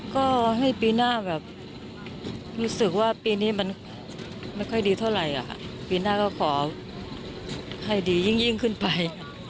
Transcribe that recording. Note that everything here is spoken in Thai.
ก็ให้ปีหน้าแบบรู้สึกว่าปีนี้มันไม่ค่อยดีเท่าไหร่ปีหน้าก็ขอให้ดียิ่งขึ้นไป